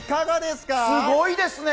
すごいですね！